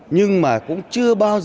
nhưng mà cũng chưa bao giờ